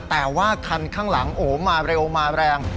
แต่ว่าคันข้างหลังโอ้โหมาเร็วมาแรง